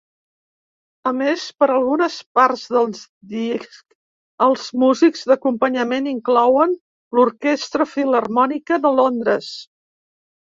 A més, per algunes parts del disc, els músics d'acompanyament inclouen l'Orquestra Filharmònica de Londres.